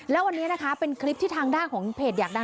แล้ววันนี้นะคะเป็นคลิปที่ทางด้านของเพจอยากดัง